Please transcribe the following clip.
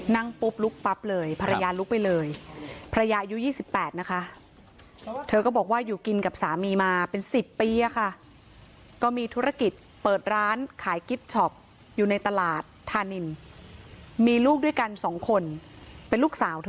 นั่งปุ๊บลุกปั๊บเลยภรรยาลุกไปเลยภรรยาอายุ๒๘นะคะเธอก็บอกว่าอยู่กินกับสามีมาเป็น๑๐ปีอะค่ะก็มีธุรกิจเปิดร้านขายกิฟต์ช็อปอยู่ในตลาดธานินมีลูกด้วยกันสองคนเป็นลูกสาวเธอ